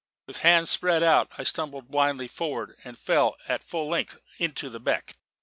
With hands spread out, I stumbled blindly forward and fell at full length into the beck.